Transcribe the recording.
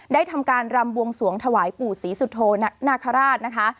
ทำการรำบวงสวงถวายปู่ศรีสุโธนาคาราชนะคะ